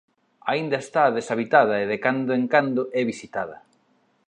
Aínda está deshabitada e de cando en cando é visitada.